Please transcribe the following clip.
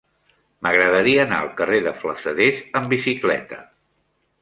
M'agradaria anar al carrer de Flassaders amb bicicleta.